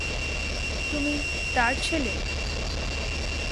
তুমি তার ছেলে?